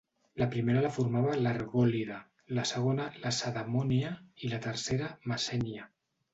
La primera la formava l'Argòlida, la segona Lacedemònia i la tercera Messènia.